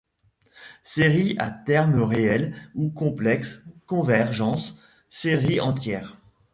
Séries à termes réels ou complexes, convergence, séries entières.